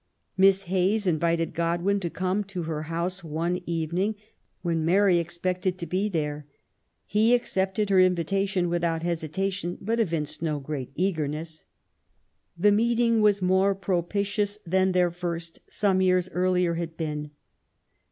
Miss Hayes invited Godwin to come to her house one evening when Mary expected to be there. He accepted her invitation without hesitation, but evinced no great eagerness. The meeting was more propitious than their first, some few years earlier, had been.